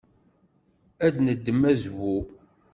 Ad d-neddem azwu.